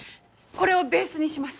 これをベースにします。